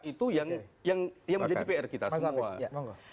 itu yang menjadi pr kita semua